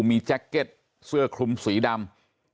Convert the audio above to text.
มีแจ็คเก็ตเสื้อคลุมสีดำ